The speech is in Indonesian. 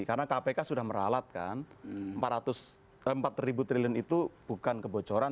karena kpk sudah meralatkan rp empat ratus empat itu bukan kebocoran